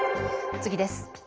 次です。